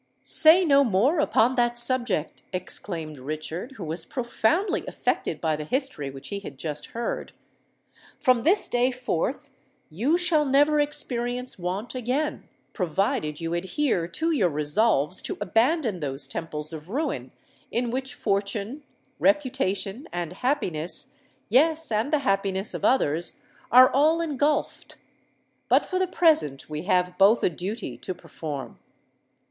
"Say no more upon that subject," exclaimed Richard, who was profoundly affected by the history which he had just heard. "From this day forth you shall never experience want again—provided you adhere to your resolves to abandon those temples of ruin in which fortune, reputation, and happiness—yes, and the happiness of others—are all engulphed. But for the present we have both a duty to perform.